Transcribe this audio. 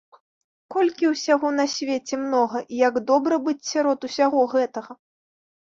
Колькі ўсяго на свеце многа, і як добра быць сярод усяго гэтага.